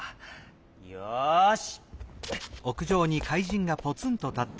よし。